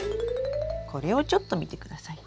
これをちょっと見てください。